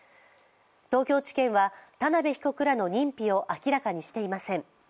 東京地裁は田辺被告らの認否を明らかにしていません。